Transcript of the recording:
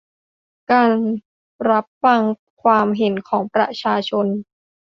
การรับฟังความเห็นของประชาชน